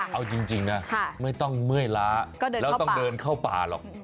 เอาจริงนะไม่ต้องเมื่อยล้าแล้วต้องเดินเข้าป่าหรอก